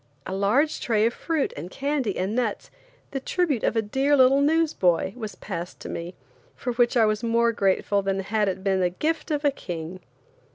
A large tray of fruit and candy and nuts, the tribute of a dear little newsboy, was passed to me, for which I was more grateful than had it been the gift of a king.